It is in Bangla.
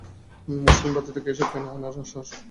মুসলিম ভ্রাতৃত্বকে এসবে টেনে আনার সাহস করবে না!